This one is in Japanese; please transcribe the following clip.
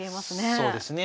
そうですね。